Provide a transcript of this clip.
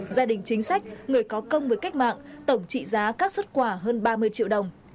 gia đình chính sách người có công với cách mạng tổng trị giá các xuất quà hơn ba mươi triệu đồng